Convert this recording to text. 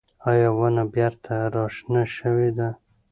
ایا ونه بېرته راشنه شوې ده؟